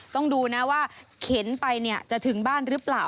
ต้องดูนะว่าเข็นไปจะถึงบ้านหรือเปล่า